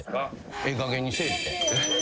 ええかげんにせえって。